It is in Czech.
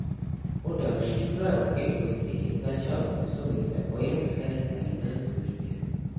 O další dva roky později začal působit ve vojenské tajné službě.